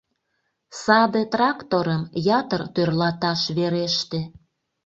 Саде тракторым ятыр тӧрлаташ вереште.